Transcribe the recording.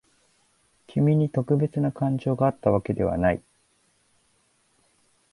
君に特別な感情があったわけではない。